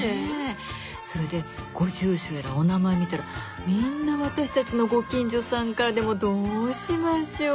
それでご住所やらお名前見たらみんな私たちのご近所さんからでもうどうしましょ。